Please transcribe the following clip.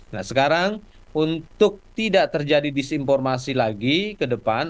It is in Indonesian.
nah sekarang untuk tidak terjadi disinformasi lagi ke depan